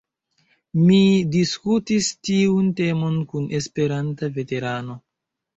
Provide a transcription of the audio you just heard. Mi diskutis tiun temon kun Esperanta veterano.